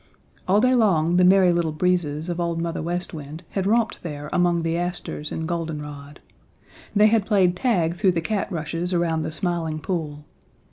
All day long the Merry Little Breezes of Old Mother West Wind had romped there among the asters and goldenrod. They had played tag through the cat rushes around the Smiling Pool.